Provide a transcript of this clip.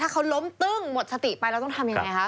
เขาล้มตึ้งหมดสติไปแล้วต้องทำยังไงคะ